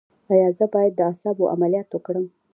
ایا زه باید د اعصابو عملیات وکړم؟